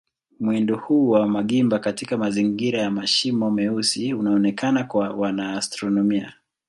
Mwendo huu wa magimba katika mazingira ya mashimo meusi unaonekana kwa wanaastronomia.